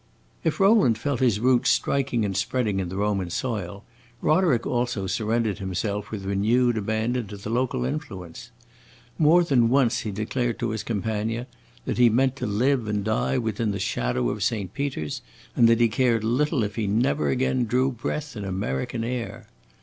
If Rowland felt his roots striking and spreading in the Roman soil, Roderick also surrendered himself with renewed abandon to the local influence. More than once he declared to his companion that he meant to live and die within the shadow of Saint Peter's, and that he cared little if he never again drew breath in American air.